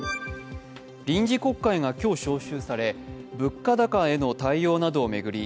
臨時国会が今日召集され、物価高への対応などを巡り